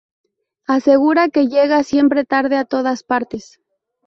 Asegura que llega siempre tarde a todas partes.